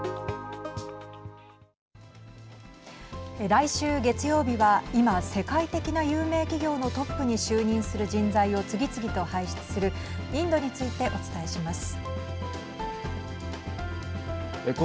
来週月曜日は今世界的な有名企業のトップに就任する人材を次々と輩出するインドについてお伝えします。